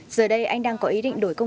giờ đây anh đang có ý định đeo kính bảo hộ